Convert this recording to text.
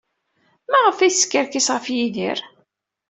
Maɣef ay teskerkis ɣef Yidir?